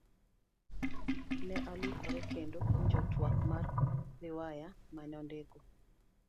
Ne oluokore kendo winjo twak mar riwaya mane ondiko.